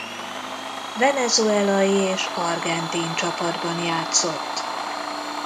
Venezuelai és argentin csapatban játszott.